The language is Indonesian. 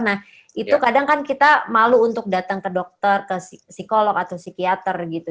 nah itu kadang kan kita malu untuk datang ke dokter ke psikolog atau psikiater gitu